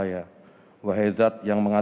juga teman teman danible